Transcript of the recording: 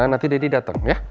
nanti deddy dateng ya